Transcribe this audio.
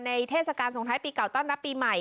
เทศกาลส่งท้ายปีเก่าต้อนรับปีใหม่